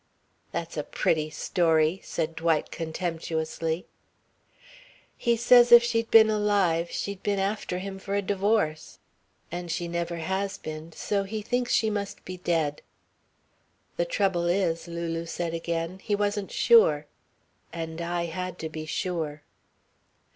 "That's a pretty story," said Dwight contemptuously. "He says if she'd been alive, she'd been after him for a divorce. And she never has been, so he thinks she must be dead. The trouble is," Lulu said again, "he wasn't sure. And I had to be sure."